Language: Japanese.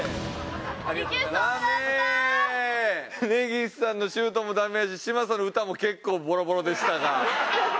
峯岸さんのシュートもダメやし嶋佐の歌も結構ボロボロでしたが。